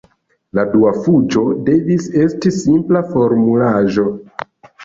La dua juĝo devis esti simpla formulaĵo.